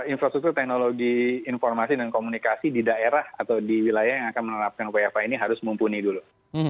infrastruktur teknologi informasi dan komunikasi di daerah atau di wilayah yang akan menerapkan wfh ini harus mumpuni dulu